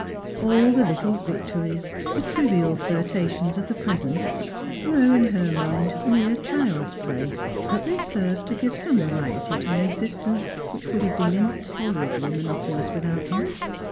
All the li_ttl(3 victories, the trivial flirtations of the present, were, in her mind, mere child's play ; but they served to give some variety to an existence which would have been intolerably monotonous with out them.